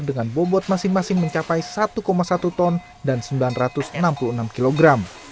dengan bobot masing masing mencapai satu satu ton dan sembilan ratus enam puluh enam kg